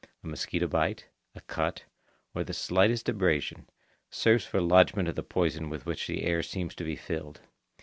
A mosquito bite, a cut, or the slightest abrasion, serves for lodgment of the poison with which the air seems to be filled.